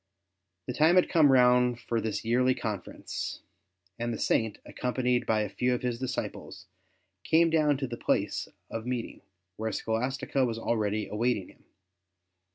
The time had come round for this yearly conference, and the Saint, accompanied by a few of his disciples, came down to the place of meeting, where Scholastica was already awaiting him.